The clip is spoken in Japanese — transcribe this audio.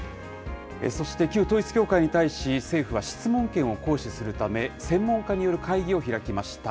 そして旧統一教会に対し、政府は質問権を行使するため、専門家による会議を開きました。